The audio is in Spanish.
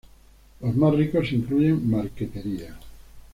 Los más ricos incluyen marquetería.